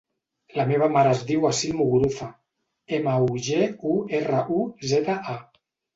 La meva mare es diu Assil Muguruza: ema, u, ge, u, erra, u, zeta, a.